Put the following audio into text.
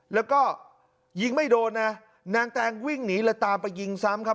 แล้วก็ยิงไม่โดนนะนางแตงวิ่งหนีเลยตามไปยิงซ้ำครับ